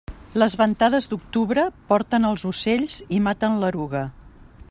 Les ventades d'octubre porten els ocells i maten l'eruga.